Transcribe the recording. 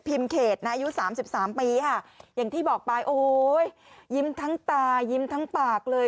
พิมเกษนะอายุ๓๓ปีฮะอย่างที่บอกไปโอ้ยยิ้มทั้งตายิ้มทั้งปากเลย